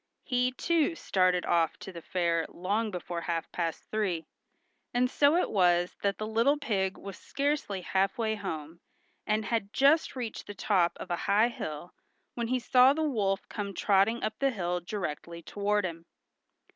He, too, started off to the fair long before half past three, and so it was that the little pig was scarcely half way home, and had just reached the top of a high hill, when he saw the wolf come trotting up the hill directly toward him.